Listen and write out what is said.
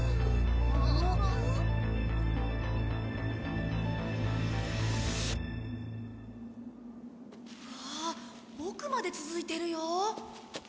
うわあ奥まで続いてるよ。